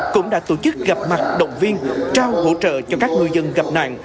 cũng đã tổ chức gặp mặt động viên trao hỗ trợ cho các ngư dân gặp nạn